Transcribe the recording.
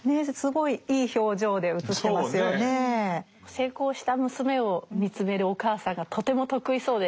成功した娘を見つめるお母さんがとても得意そうでいいですよね。